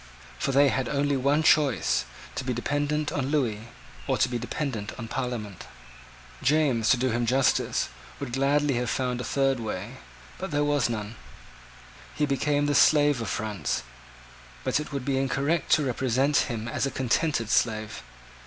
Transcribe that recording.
For they had only one choice, to be dependent on Lewis, or to be dependent on Parliament. James, to do him justice, would gladly have found out a third way: but there was none. He became the slave of France: but it would be incorrect to represent him as a contented slave.